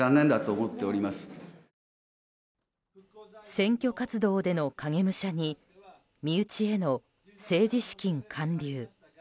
選挙活動での影武者に身内への政治資金還流。